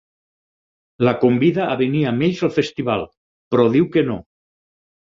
La convida a venir amb ells al festival, però diu que no.